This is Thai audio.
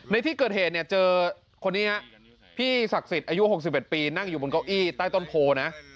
ในที่เกิดเหตุเนี่ยเจอคนนี้ฮะพี่ศักดิ์สิทธิ์อายุ๖๑ปีนั่งอยู่บนเก้าอี้ใต้ต้นโพลนะ